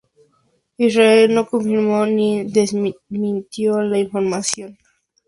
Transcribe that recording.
Israel no confirmó ni desmintió la información.